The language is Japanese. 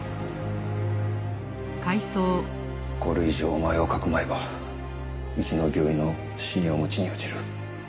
これ以上お前をかくまえばうちの病院の信用も地に落ちる。